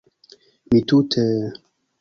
Mi tute...